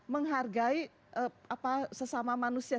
menghargai sesama manusia